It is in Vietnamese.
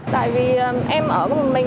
tại vì em ở cùng mình